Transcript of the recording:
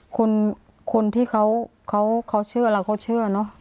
คนที่เขาเชื่อเราเขาเชื่อเนอะ